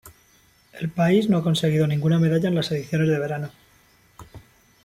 El país no ha conseguido ninguna medalla en las ediciones de verano.